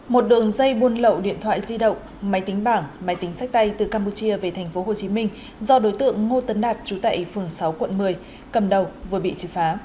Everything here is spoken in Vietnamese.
một đường dây buôn lậu điện thoại di động máy tính bảng máy tính sách tay từ campuchia về tp hcm do đối tượng ngô tấn đạt trú tại phường sáu quận một mươi cầm đầu vừa bị triệt phá